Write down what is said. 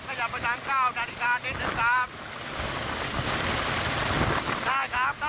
ได้ครับได้ครับสังเกตได้ครับสังเกตได้ครับสังเกตได้